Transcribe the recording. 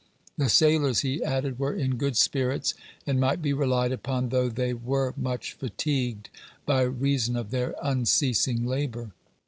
The sailors, he added, were in good spirits, and might be relied upon, though they were much fatigued by reason of their unceasing labor.